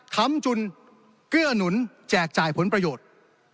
คำจุนเกื้อหนุนแจกจ่ายผลประโยชน์